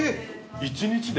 １日で？